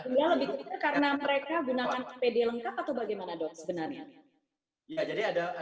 karena mereka gunakan apd lengkap atau bagaimana dok sebenarnya